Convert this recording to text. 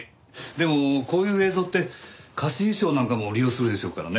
でもこういう映像って貸衣装なんかも利用するでしょうからね。